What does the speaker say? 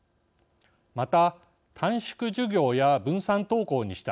また、短縮授業や分散登校にした。